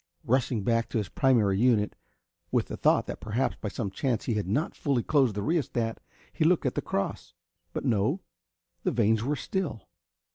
Rushing back to his primary unit, with the thought that perhaps by some chance he had not fully closed the rheostat, he looked at the cross. But no, the vanes were still.